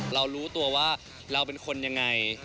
เรารู้ตัวว่าเราเป็นคนยังไง